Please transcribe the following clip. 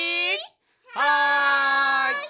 はい！